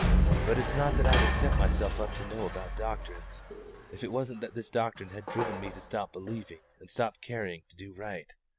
But it's not that I would set myself up to know about doctrines, if it wasn't that this doctrine had driven me to stop believing and stop caring to do right.